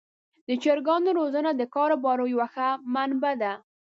د چرګانو روزنه د کاروبار یوه ښه منبع ده.